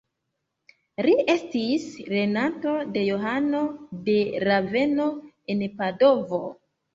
Li estis lernanto de Johano de Raveno, en Padovo.